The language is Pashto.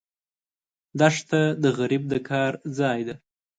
دښته د غریب د کار ځای ده.